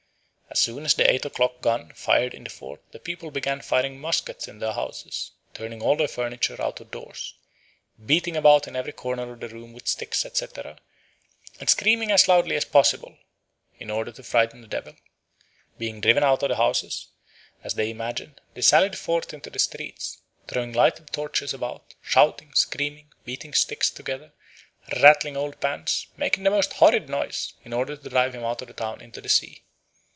As soon as the eight o'clock gun fired in the fort the people began firing muskets in their houses, turning all their furniture out of doors, beating about in every corner of the rooms with sticks, etc., and screaming as loudly as possible, in order to frighten the devil. Being driven out of the houses, as they imagine, they sallied forth into the streets, throwing lighted torches about, shouting, screaming, beating sticks together, rattling old pans, making the most horrid noise, in order to drive him out of the town into the sea.